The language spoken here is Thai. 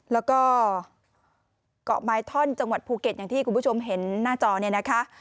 แล้วก็เกาะไม้ท่อนจังหวัดภูเก็ตอย่างที่คุณผู้ชมเห็นหน้าจอเนี่ยนะคะ